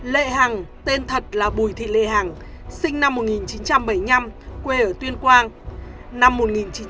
lệ hằng tên thật là bùi thị lê hằng sinh năm một nghìn chín trăm bảy mươi năm quê ở tuyên quang